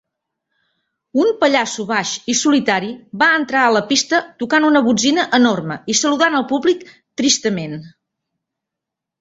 Un pallasso baix i solitari va entrar a la pista tocant una botzina enorme i saludant el públic tristament.